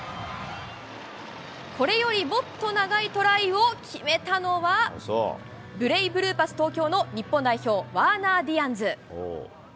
これよりもっと長いトライを決めたのは、ブレイブルーパス東京の日本代表、ワーナー・ディアンズ。